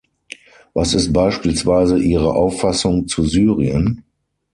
Was ist beispielsweise Ihre Auffassung zu Syrien?